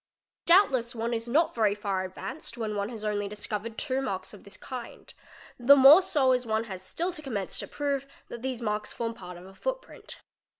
| Doubtless one is not very far advanced when one has only discovered two marks of this kind; the more so as one has still to commence to prove that these marks form part of a footprint.